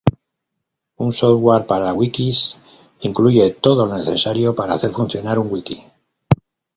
Un software para wikis incluye todo lo necesario para hacer funcionar un wiki.